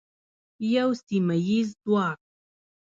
یو سیمه ییز ځواک.